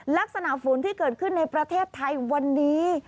ลักษณะฝนที่เกิดขึ้นในประเทศไทยวันนี้